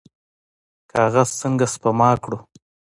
کاغذ څنګه سپما کړو؟